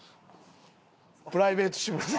プライベート志村さん。